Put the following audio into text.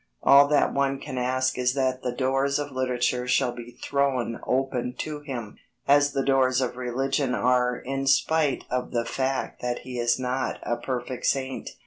All that one can ask is that the doors of literature shall be thrown open to him, as the doors of religion are in spite of the fact that he is not a perfect saint.